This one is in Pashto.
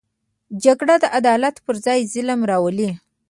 جګړه د عدالت پر ځای ظلم راولي